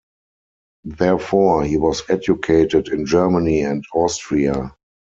Therefore, he was educated in Germany and Austria.